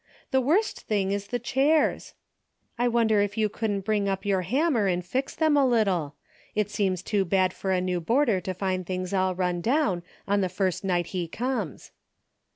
The worst thing is the chairs. I wonder if you couldn't bring up your hammer and fix them a little. It seems too bad for a new boarder to find things all run down on the first night he comes."